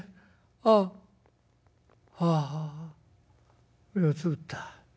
あっあああ目をつぶった。